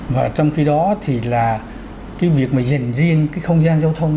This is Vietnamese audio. và trong khi đó thì là cái việc mà dành riêng cái không gian giao thông